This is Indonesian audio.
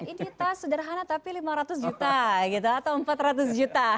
ini tas sederhana tapi lima ratus juta gitu atau empat ratus juta